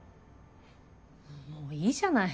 もういいじゃない。